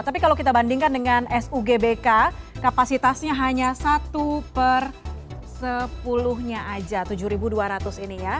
tapi kalau kita bandingkan dengan sugbk kapasitasnya hanya satu per sepuluh nya aja tujuh dua ratus ini ya